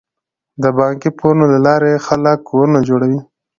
د بانکي پورونو له لارې خلک کورونه جوړوي.